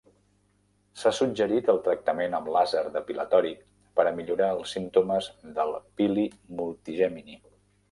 S'ha suggerit el tractament amb làser depilatori per a millorar els símptomes del pili multigemini.